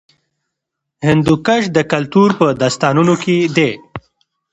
هندوکش د کلتور په داستانونو کې دی.